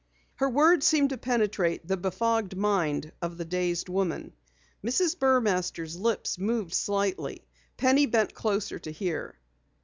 Her words seemed to penetrate the befogged mind of the dazed woman. Mrs. Burmaster's lips moved slightly. Penny bent closer to hear.